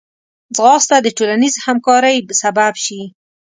ځغاسته د ټولنیز همکارۍ سبب شي